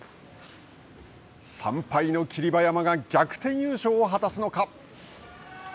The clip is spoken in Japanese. ３敗の霧馬山が逆転優勝を果たすのか。